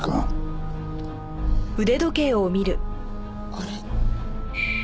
あれ？